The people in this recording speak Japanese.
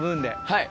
はい。